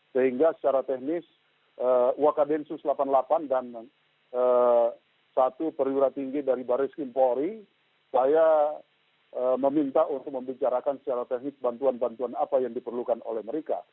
sehingga secara teknis wakadensus delapan puluh delapan dan satu perwira tinggi dari baris kimpori saya meminta untuk membicarakan secara teknis bantuan bantuan apa yang diperlukan oleh mereka